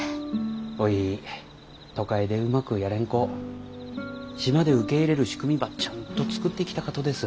おい都会でうまくやれん子島で受け入れる仕組みばちゃんと作っていきたかとです。